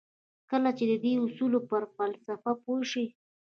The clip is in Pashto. کله چې د دې اصولو پر فلسفه پوه شئ.